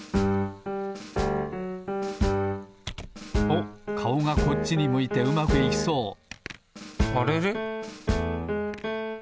おっかおがこっちに向いてうまくいきそうあれれ？